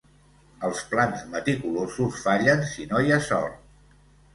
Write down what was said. Els plans meticulosos fallen si no hi ha sort.